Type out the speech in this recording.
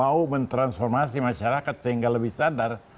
atau mau merangkul transformasi masyarakat sehingga lebih sadar